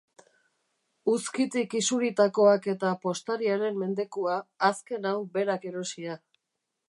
Uzkitik isuritakoak eta Postariaren mendekua, azken hau berak erosia.